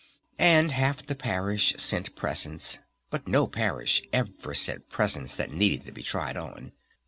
And half the Parish sent presents. But no Parish ever sent presents that needed to be tried on.